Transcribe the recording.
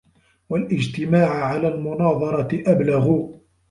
وَالِاجْتِمَاعَ عَلَى الْمُنَاظَرَةِ أَبْلَغُ